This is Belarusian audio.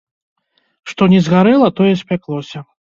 Што не згарэла, тое спяклося.